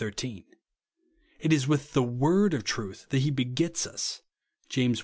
It is "Avith the word of truth" that he begets us, (Jas. i.